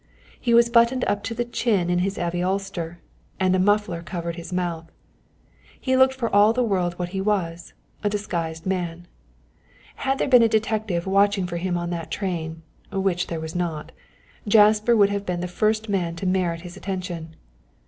He was buttoned up to the chin in his heavy ulster, and a muffler covered his mouth. He looked for all the world what he was a disguised man. Had there been a detective watching for him on that train which there was not Jasper would have been the first man to merit his attention.